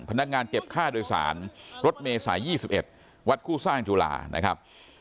พนักงานเก็บค่าโดยสารรถเมย์สายยี่สิบเอ็ดวัดคู่สร้างจุฬานะครับ